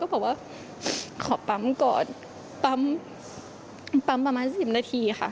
ปั๊มประมาณ๑๐นาทีค่ะ